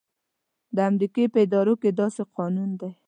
د امریکې په ادارو کې داسې قانون دی.